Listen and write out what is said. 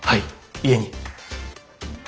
家に！